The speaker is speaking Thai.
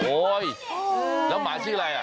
โอ๊ยแล้วหมาชื่ออะไรอ่ะ